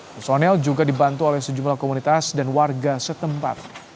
personel juga dibantu oleh sejumlah komunitas dan warga setempat